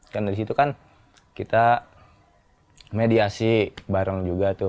dan dari situ kan kita mediasi bareng juga tuh